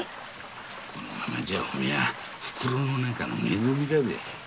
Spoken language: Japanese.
このままじゃお前は袋の中のネズミだぜ。